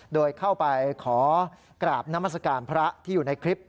โดยเข้าไปขอกราบนามัศกาลพระที่อยู่ในคลิป